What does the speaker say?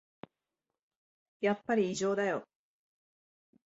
やっぱり異常だよ